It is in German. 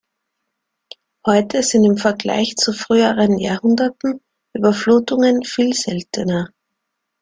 Heute sind im Vergleich zu früheren Jahrhunderten Überflutungen viel seltener.